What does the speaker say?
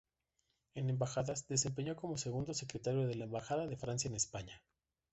En embajadas, desempeño como segundo secretario de la Embajada de Francia en España.